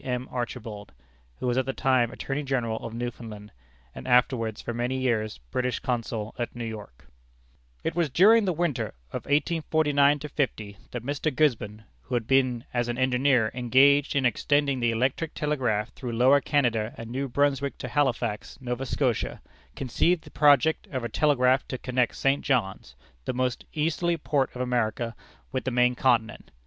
M. Archibald, who was at the time Attorney General of Newfoundland, and afterwards for many years British Consul at New York: "It was during the winter of 1849 50, that Mr. Gisborne, who had been, as an engineer, engaged in extending the electric telegraph through Lower Canada and New Brunswick to Halifax, Nova Scotia, conceived the project of a telegraph to connect St. John's, the most easterly port of America, with the main continent.